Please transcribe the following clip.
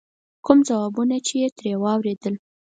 کوم ځوابونه چې یې ترې واورېدل.